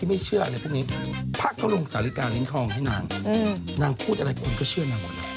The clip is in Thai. เราเชื่อว่าคนที่ใช้บริการดอลเมืองหรือครั้งหนึ่งไปดอลเมือง